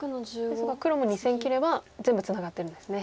ですが黒も２線切れば全部ツナがってるんですね。